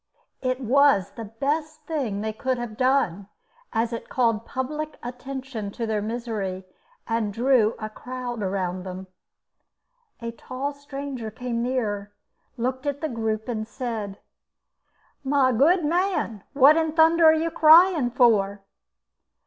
It was the best thing they could have done, as it called public attention to their misery, and drew a crowd around them. A tall stranger came near looked at the group, and said: "My good man, what in thunder are you crying for?"